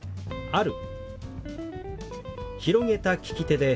「ある」。